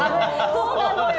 そうなのよ。